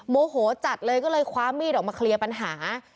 โมโหจัดเลยก็เลยคว้ามีดออกมาเคลียร์ปัญหา